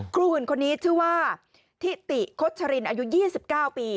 หุ่นคนนี้ชื่อว่าทิติคดชรินอายุ๒๙ปี